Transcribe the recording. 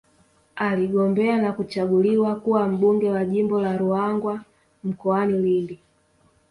Aligombea na kuchaguliwa kuwa Mbunge wa Jimbo la Ruangwa mkoani Lindi